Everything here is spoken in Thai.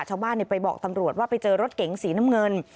ชาวบ้านไปบอกตำรวจว่าไปเจอรถเก๋งสีน้ำเงิน